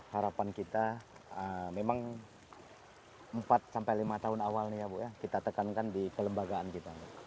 harapan kita memang empat sampai lima tahun awalnya ya bu ya kita tekankan di kelembagaan kita